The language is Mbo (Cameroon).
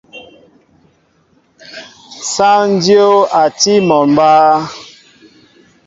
Sááŋ dyów a tí mol mba.